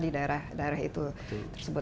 di daerah itu tersebut